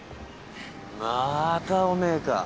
またおめえか。